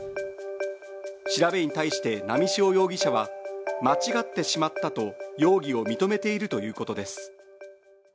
調べに対して波汐容疑者は間違ってしまったと容疑を認めているということです。